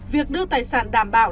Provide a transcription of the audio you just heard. việc đưa tài sản đảm bảo